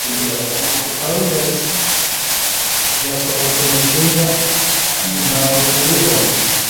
Holmes yasohotse mucyumba ntawe ubibonye.